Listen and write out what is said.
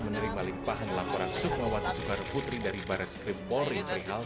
menerima limpahan laporan sukmawati soekar putri dari barat skrip pol rintrihal